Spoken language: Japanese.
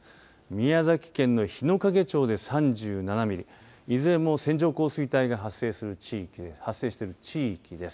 宮崎県の日之影町で３７ミリいずれも線状降水帯が発生している地域です。